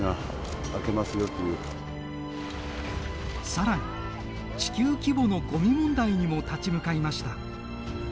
さらに、地球規模のごみ問題にも立ち向かいました。